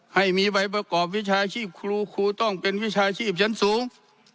ให้มีใบประกอบวิชาชีพครูครูต้องเป็นวิชาชีพชั้นสูง